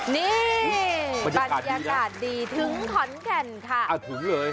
นี่บรรยากาศดีถึงขอนแกร่วถึงเลย